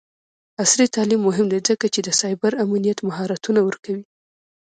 عصري تعلیم مهم دی ځکه چې د سایبر امنیت مهارتونه ورکوي.